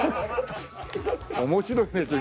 面白いね君。